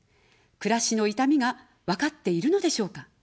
暮らしの痛みがわかっているのでしょうか。